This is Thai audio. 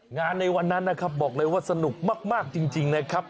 ในวันนั้นนะครับบอกเลยว่าสนุกมากจริงนะครับ